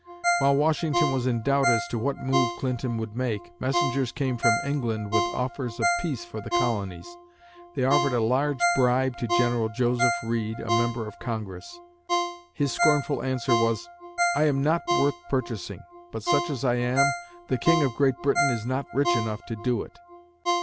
While Washington was in doubt as to what move Clinton would make, messengers came from England with offers of peace for the colonies. They offered a large bribe to General Joseph Reed, a member of Congress. His scornful answer was, "I am not worth purchasing, but such as I am, the King of Great Britain is not rich enough to do it!"